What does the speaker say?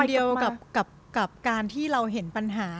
มันคือเป็นคำเดียวกับการที่เราเห็นปัญหา